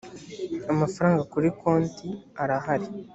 amafaranga kuri konti arahari